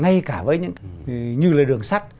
ngay cả với những như là đường sắt